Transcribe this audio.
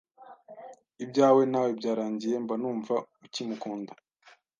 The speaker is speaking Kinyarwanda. ibyawe nawe byarangiye, mba numva ukimukunda”